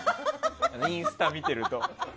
インスタ見てると。